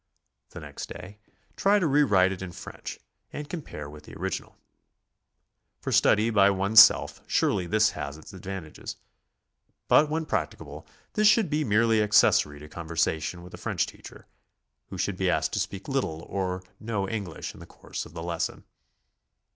The next day try to re write it in French and compare with the original. For study by one's self, surely this has its advantages. But when prac ticable this should be merely accessory to conversation with a French teacher, who should be asked to speak little or no English in the course of the lesson.